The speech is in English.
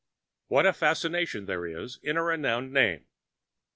What a fascination there is in a renowned name!